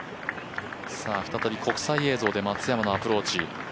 再び国際映像で松山のアプローチ。